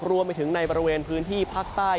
รวมไปถึงในบริเวณพื้นที่ภาคใต้